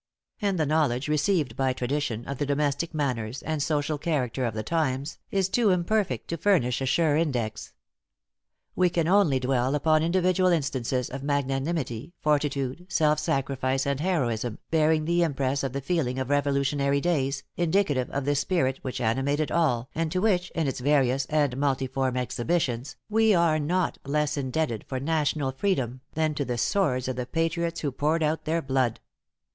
And the knowledge received by tradition, of the domestic manners, and social character of the times, is too imperfect to furnish a sure index. We can only dwell upon individual instances of magnanimity, fortitude, self sacrifice, and heroism, bearing the impress of the feeling of Revolutionary days, indicative of the spirit which animated all, and to which, in its various and multiform exhibitions, we are not less indebted for national freedom, than to the swords of the patriots who poured out their blood.